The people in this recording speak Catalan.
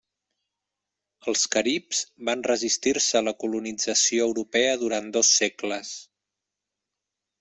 Els caribs van resistir-se a la colonització europea durant dos segles.